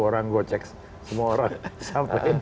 orang gocek semua orang